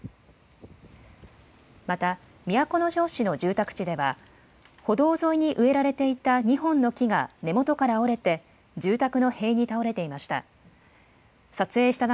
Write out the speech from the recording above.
また、都城市の住宅地では、歩道沿いに植えられていた２本の木が根元から折れて、住宅の塀に倒れていました。